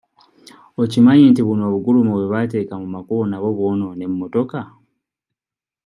Okimanyi nti buno obugulumo bwe bateeka mu makubo nabwo bwonoona emmotoka?